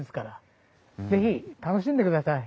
是非楽しんでください。